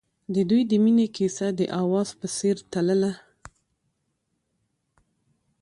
د دوی د مینې کیسه د اواز په څېر تلله.